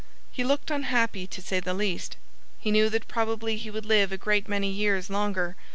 He looked unhappy, to say the least. He knew that probably he would live a great many years longer.